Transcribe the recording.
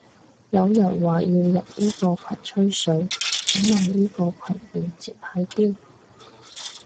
有人話要入依個羣吹水，請問依個羣個鏈接喺邊？